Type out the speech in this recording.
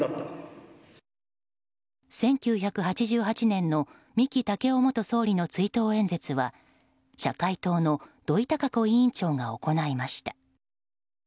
１９８８年の三木武夫元総理の追悼演説は社会党の土井たか子委員長が行いました。